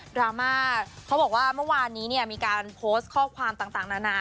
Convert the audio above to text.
ดราม่าเขาบอกว่าเมื่อวานนี้เนี่ยมีการโพสต์ข้อความต่างนานา